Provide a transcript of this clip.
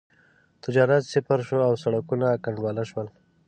تجارت صفر شو او سړکونه کنډواله شول.